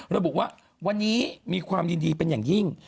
ระบุว่าวันนี้มีความยินดีเป็นอย่างยิ่ง